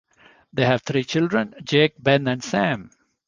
They have three children: Jake, Ben, and Sam.